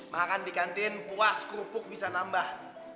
makan di kantin puas kerupuk bisa nambah